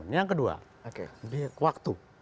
yang kedua waktu